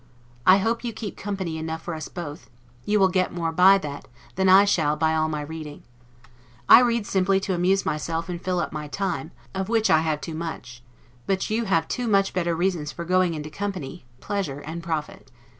I hope you keep company enough for us both; you will get more by that, than I shall by all my reading. I read simply to amuse myself and fill up my time, of which I have too much; but you have two much better reasons for going into company, pleasure and profit.